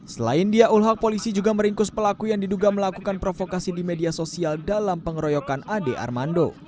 selain dia ulhak polisi juga meringkus pelaku yang diduga melakukan provokasi di media sosial dalam pengeroyokan ade armando